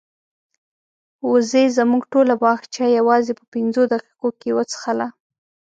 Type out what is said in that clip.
وزې زموږ ټوله باغچه یوازې په پنځو دقیقو کې وڅښله.